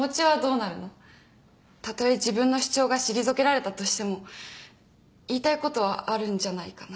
たとえ自分の主張が退けられたとしても言いたいことはあるんじゃないかな。